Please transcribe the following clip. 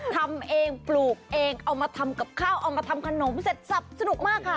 ทำเองปลูกเองเอามาทำกับข้าวเอามาทำขนมเสร็จสับสนุกมากค่ะ